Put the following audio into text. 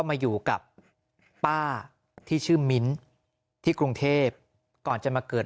มาอยู่กับป้าที่ชื่อมิ้นที่กรุงเทพก่อนจะมาเกิด